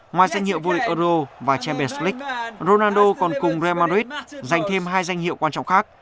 ngoài danh hiệu vua euro và champions leage ronaldo còn cùng real madrid giành thêm hai danh hiệu quan trọng khác